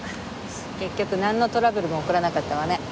結局なんのトラブルも起こらなかったわね。